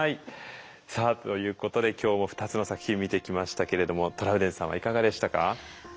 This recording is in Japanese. さあということで今日も２つの作品を見てきましたけれどもトラウデンさんはいかがでしたか？